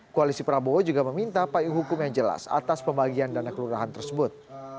koalisi prabowo juga meminta payung hukum yang jelas atas pembagian dana kelurahan tersebut